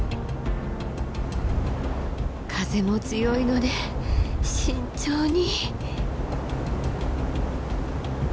風も強いので慎重に。